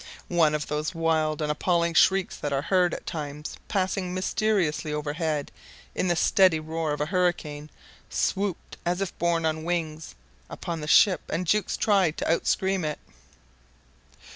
One of those wild and appalling shrieks that are heard at times passing mysteriously overhead in the steady roar of a hurricane, swooped, as if borne on wings, upon the ship, and Jukes tried to outscream it.